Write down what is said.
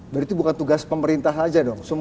berarti bukan tugas pemerintah saja dong